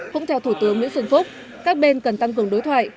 cũng theo thủ tướng nguyễn xuân phúc các bên cần tăng cường đối thoại